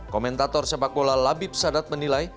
komentator sepak bola labib sadat menilai